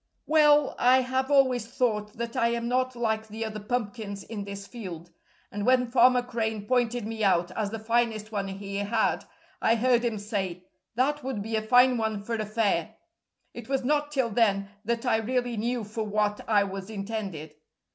"Well, I have always thought that I am not like the other pumpkins in this field, and when Farmer Crane pointed me out as the finest one he had, I heard him say, 'That would be a fine one for a fair.' It was not till then that I really knew for what I was intended."